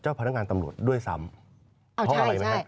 เจ้าพนักงานตำรวจด้วยสาม